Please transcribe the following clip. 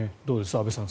安部さん